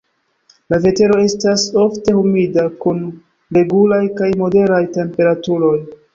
La vetero estas ofte humida, kun regulaj kaj moderaj temperaturoj.